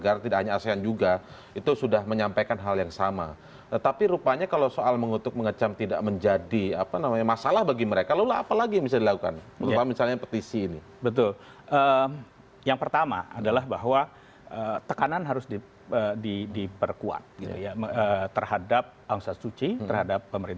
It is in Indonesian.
ada sesuatu selanjutnya dihubungkan